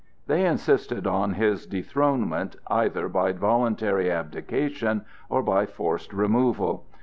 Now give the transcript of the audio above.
They insisted on his dethronement, either by voluntary abdication or by forced removal.